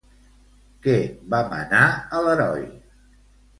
Què va manar a l'heroi?